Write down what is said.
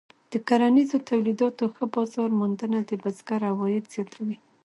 د کرنیزو تولیداتو ښه بازار موندنه د بزګر عواید زیاتوي.